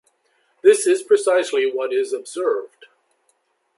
This is precisely what is observed.